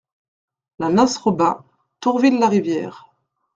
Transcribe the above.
La Nos Robin, Tourville-la-Rivière